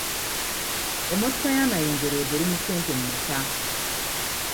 Emmotoka y'amayinja olowooza eri mu ssente mmeka?